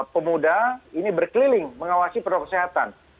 pemuda ini berkeliling mengawasi protokol kesehatan